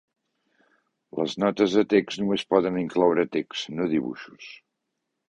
Les Notes de Text només poden incloure text, no dibuixos.